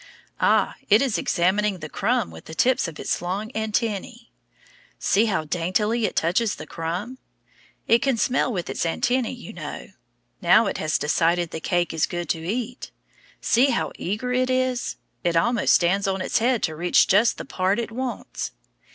Ah, it is examining the crumb with the tips of its long antennæ. See how daintily it touches the crumb. It can smell with its antennæ, you know. Now it has decided the cake is good to eat. See how eager it is! It almost stands on its head to reach just the part it wants.